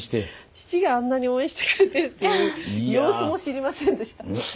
父があんなに応援してくれてるっていう様子も知りませんでした。